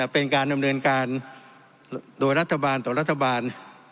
เป็นการดำเนินการโดยรัฐบาลต่อรัฐบาล